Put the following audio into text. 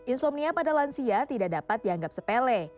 insomnia pada lansia tidak dapat dianggap sepele